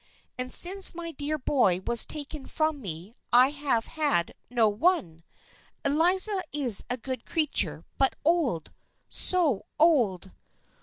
And since my dear boy was taken from me I have had no one. Eliza is a good creature, but old ! So old